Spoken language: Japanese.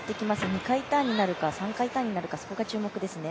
２回ターンになるか３回ターンになるかが注目ですね。